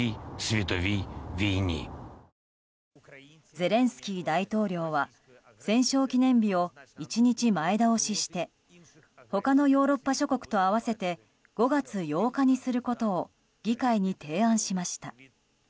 ゼレンスキー大統領は戦勝記念日を１日前倒しして他のヨーロッパ諸国と合わせて５月８日にすることを議会に提案しました。